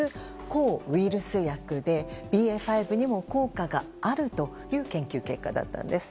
抗ウイルス薬でＢＡ．５にも効果があるという研究結果だったんです。